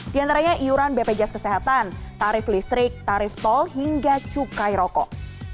di antaranya iuran bpjs kesehatan tarif listrik tarif tol hingga cukai rokok